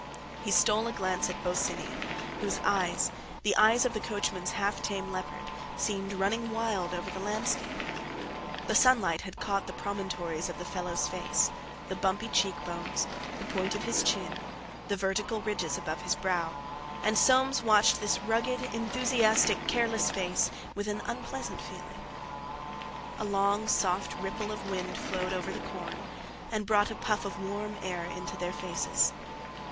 He stole a glance at Bosinney, whose eyes, the eyes of the coachman's "half tame leopard," seemed running wild over the landscape. The sunlight had caught the promontories of the fellow's face, the bumpy cheekbones, the point of his chin, the vertical ridges above his brow; and Soames watched this rugged, enthusiastic, careless face with an unpleasant feeling. A long, soft ripple of wind flowed over the corn, and brought a puff of warm air into their faces.